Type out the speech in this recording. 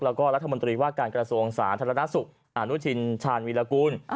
แล้วก็รัฐมนตรีว่าการกระทรวงศาสตร์ธรรมนาศุกร์อาณุชินชาญวีรกูล